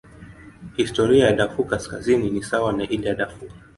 Historia ya Darfur Kaskazini ni sawa na ile ya Darfur.